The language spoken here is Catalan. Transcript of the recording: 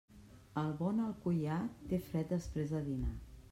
El bon alcoià... té fred després de dinar.